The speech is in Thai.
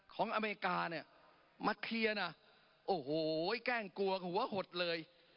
อเมริกาเนี่ยมาเคลียร์นะโอ้โหแกล้งกลัวหัวหดเลย